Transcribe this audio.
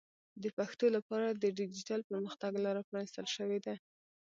د پښتو لپاره د ډیجیټل پرمختګ لاره پرانیستل شوې ده.